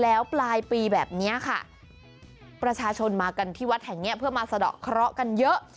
แล้วปลายปีแบบนี้ค่ะประชาชนมากันที่วัดแห่งนี้เพื่อมาสะดอกเคราะห์กันเยอะ